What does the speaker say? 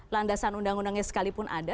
landasan undang undangnya sekalipun ada